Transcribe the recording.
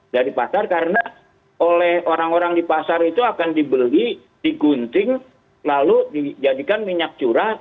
dari pasar karena oleh orang orang di pasar itu akan dibeli digunting lalu dijadikan minyak curah